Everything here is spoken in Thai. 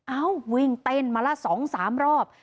เอ้าวิ่งเต้นมาละสองสามรอบ